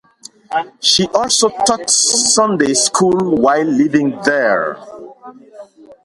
She also taught Sunday school while living there.